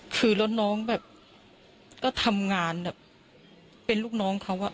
คือแล้วน้องแบบก็ทำงานแบบเป็นลูกน้องเขาอะ